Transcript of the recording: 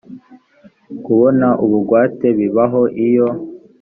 kubona ubugwate bibaho iyo